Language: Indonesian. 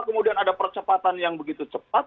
kemudian ada percepatan yang begitu cepat